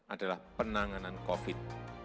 adalah penanganan covid sembilan belas